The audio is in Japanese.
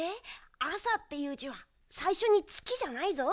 「あさ」っていうじはさいしょに「つき」じゃないぞ。